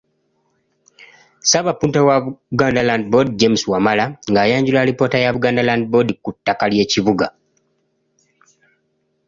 Ssaabapunta wa Buganda Land Board James Wamala ng’ayanjula alipoota ya Buganda Land Board ku ttaka ly’ekibuga.